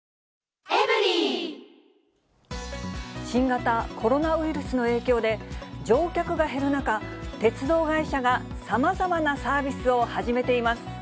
新型コロナウイルスの影響で、乗客が減る中、鉄道会社がさまざまなサービスを始めています。